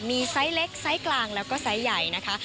มีไซส์เล็กไซส์กลางแล้วก็ไซส์ใหญ่นะคะ